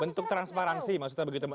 bentuk transparansi maksudnya begitu